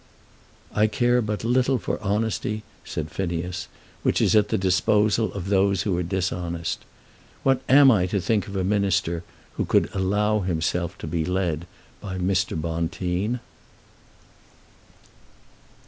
"I care but little for honesty," said Phineas, "which is at the disposal of those who are dishonest. What am I to think of a Minister who could allow himself to be led by Mr. Bonteen?"